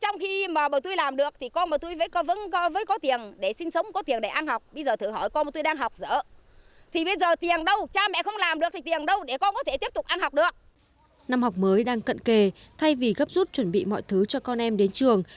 năm học mới đang cận kề thay vì gấp rút chuẩn bị mọi thứ cho con em đến trường